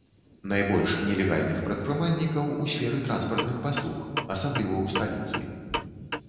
Найбольш нелегальных прадпрымальнікаў у сферы транспартных паслуг, асабліва ў сталіцы.